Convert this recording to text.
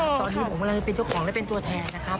ตอนนี้ผมกำลังเป็นเจ้าของและเป็นตัวแทนนะครับ